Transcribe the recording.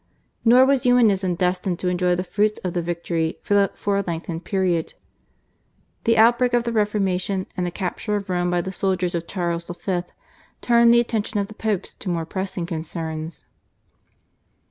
Nor was Humanism destined to enjoy the fruits of the victory for a lengthened period. The outbreak of the Reformation and the capture of Rome by the soldiers of Charles V. turned the attention of the Popes to more pressing concerns.